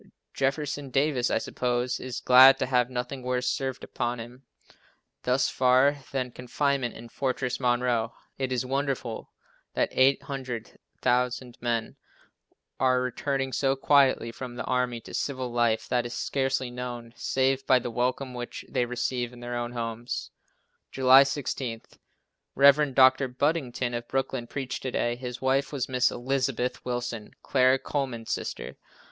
Jefferson Davis, I suppose, is glad to have nothing worse served upon him, thus far, than confinement in Fortress Monroe. It is wonderful that 800,000 men are returning so quietly from the army to civil life that it is scarcely known, save by the welcome which they receive in their own homes. July 16. Rev. Dr. Buddington, of Brooklyn, preached to day. His wife was Miss Elizabeth Willson, Clara Coleman's sister.